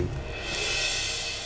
tidak ada apa apa